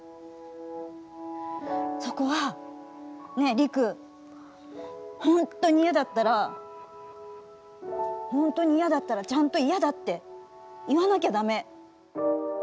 そこは、ねえ、りく本当に嫌だったら本当に嫌だったらちゃんと嫌だって言わなきゃだめ。